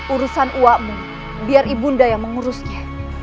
urusan uwa mu biar ibunda yang mengurusnya